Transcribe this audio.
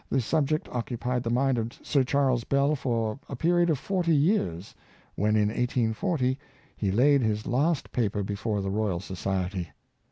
The subject occupied the mind of Sir Charles Bell for a period of forty years, when, in 1840, he laid his last paper before the Royal Society.